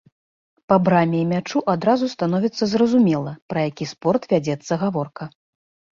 Па браме і мячу адразу становіцца зразумела, пра які спорт вядзецца гаворка.